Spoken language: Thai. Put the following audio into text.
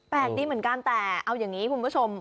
ดีเหมือนกันแต่เอาอย่างนี้คุณผู้ชม